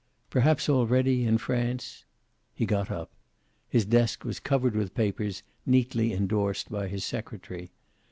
Perhaps already, in France He got up. His desk was covered with papers, neatly endorsed by his secretary.